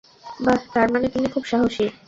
বাহ, তার মানে তুমি খুব সাহসী।